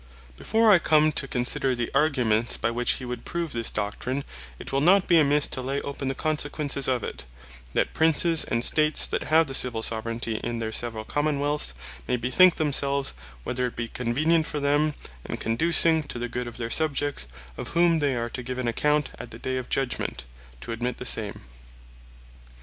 Before I come to consider the Arguments by which hee would prove this doctrine, it will not bee amisse to lay open the Consequences of it; that Princes, and States, that have the Civill Soveraignty in their severall Common wealths, may bethink themselves, whether it bee convenient for them, and conducing to the good of their Subjects, of whom they are to give an account at the day of Judgment, to admit the same.